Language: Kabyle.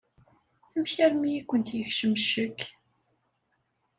Amek armi i kent-yekcem ccek?